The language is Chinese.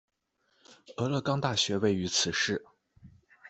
俄勒冈大学位于此市。